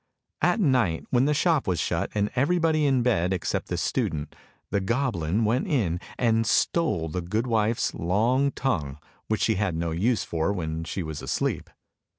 At night when the shop was shut and everybody in bed except the student, the goblin went in and stole the goodwife's long tongue which she had no use for when she was asleep.